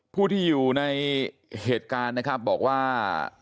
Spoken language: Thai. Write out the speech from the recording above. ผู้ที่อยู่ในเหตุการณ์นะครับบอกว่า